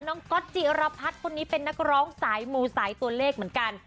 ก๊อตจิรพัฒน์คนนี้เป็นนักร้องสายมูสายตัวเลขเหมือนกัน